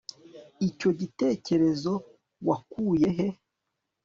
icyo gitekerezo wakuye he